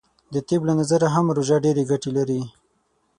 د طب له نظره هم روژه ډیرې ګټې لری .